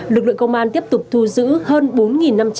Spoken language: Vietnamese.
lực lượng công an tiếp tục thu giữ hơn bốn năm trăm linh